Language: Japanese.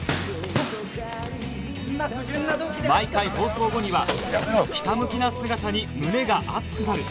毎回放送後には「ひたむきな姿に胸が熱くなる！」